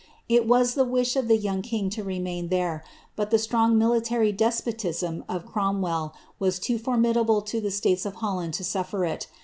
It was the wish of the young king to remain there; but the strong military despotism of Cromwell was too formidable to the states of Holland to suffer it.